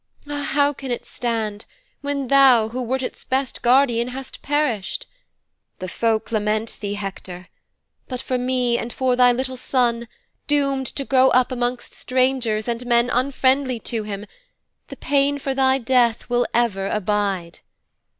Ah, how can it stand, when thou, who wert its best guardian, hast perished? The folk lament thee, Hector; but for me and for thy little son, doomed to grow up amongst strangers and men unfriendly to him, the pain for thy death will ever abide."'